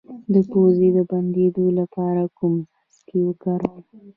د پوزې د بندیدو لپاره کوم څاڅکي وکاروم؟